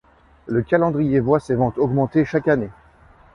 Le calendrier voit ses ventes augmenter chaque année.